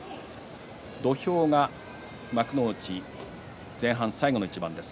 土俵が幕内前半最後の一番です。